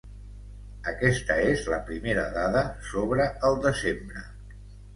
Aquesta és la primera dada sobre el desembre.